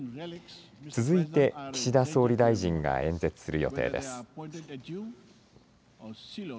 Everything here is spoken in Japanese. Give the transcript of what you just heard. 続いて岸田総理大臣が演説する予定です。